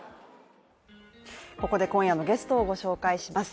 ここで今夜のゲストをご紹介します